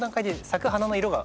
［咲く花の色は